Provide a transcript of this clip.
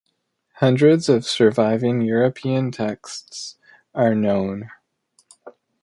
Hundreds of surviving European texts are known.